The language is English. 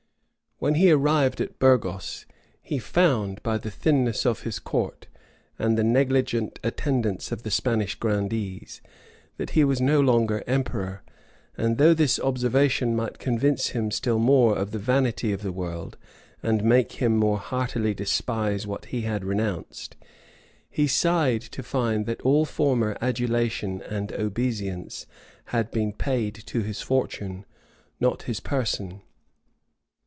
When he arrived at Burgos, he found, by the thinness of his court, and the negligent attendance of the Spanish grandees, that he was no longer emperor; and though this observation might convince him still more of the vanity of the world, and make him more heartily despise what he had renounced, he sighed to find that all former adulation and obeisance had been paid to his fortune, not to his person.